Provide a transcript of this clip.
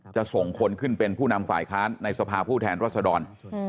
จะส่งคนขึ้นเป็นผู้นำฝ่ายค้านในสภาผู้แทนรัศดร